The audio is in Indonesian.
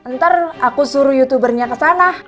ntar aku suruh youtubernya kesana